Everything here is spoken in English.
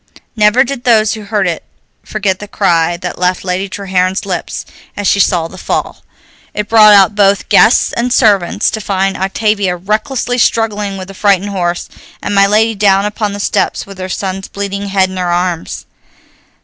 Never did those who heard it forget the cry that left Lady Treherne's lips as she saw the fall. It brought out both guests and servants, to find Octavia recklessly struggling with the frightened horse, and my lady down upon the stones with her son's bleeding head in her arms.